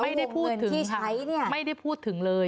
วงเงินที่ใช้เนี่ย